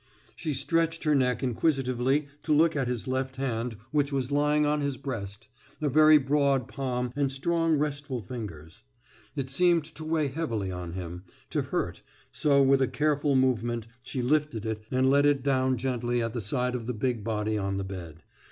She stretched her neck inquisitively to look at his left hand which was lying on his breast a very broad palm and strong restful fingers; it seemed to weigh heavily on him, to hurt, so with a careful movement she lifted it and let it down gently at the side of the big body on the bed.